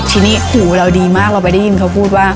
ทีนี้หูเราดีมากเราไปได้ยินเขาพูดว่า